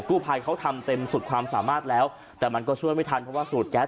กู้ภัยเขาทำเต็มสุดความสามารถแล้วแต่มันก็ช่วยไม่ทันเพราะว่าสูดแก๊ส